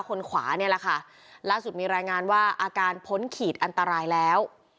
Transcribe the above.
คนขวาเนี่ยแหละค่ะล่าสุดมีรายงานว่าอาการพ้นขีดอันตรายแล้ว